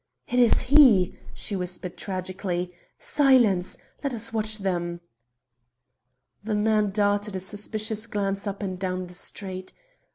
"It is he!" she whispered tragically. "Silence! Let us watch them!" The man darted a suspicious glance up and down the street.